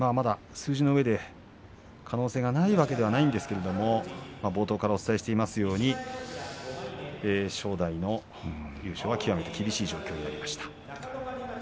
数字のうえでは可能性はないわけではありませんが冒頭からお伝えしてますように正代の優勝は極めて厳しい状況になりました。